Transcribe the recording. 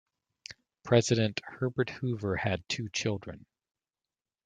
President Herbert Hoover had two children.